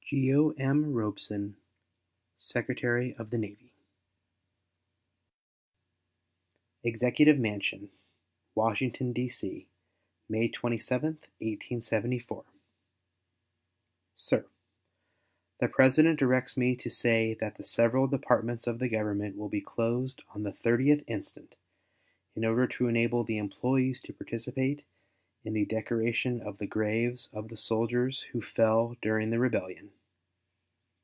GEO. M. ROBESON, Secretary of the Navy. EXECUTIVE MANSION, Washington, D.C., May 27, 1874. SIR: The President directs me to say that the several Departments of the Government will be closed on the 30th instant, in order to enable the employees to participate in the decoration of the graves of the soldiers who fell during the rebellion.